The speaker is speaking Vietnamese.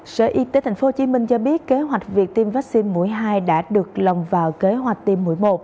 sở y tế tp hcm cho biết kế hoạch việc tiêm vaccine mũi hai đã được lồng vào kế hoạch tiêm mũi một